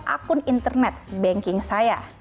dan juga mengisi nomor internet banking saya